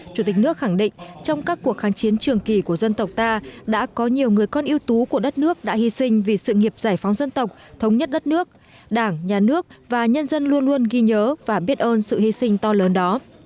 chủ tịch nước khẳng định trong các cuộc kháng chiến trường kỳ của dân tộc ta đã có nhiều người con yêu tú của đất nước đã hy sinh vì sự nghiệp giải phóng dân tộc thống nhất đất nước đảng nhà nước và nhân dân luôn luôn ghi nhớ và biết ơn sự hy sinh to lớn đó